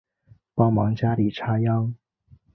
帮忙家里插秧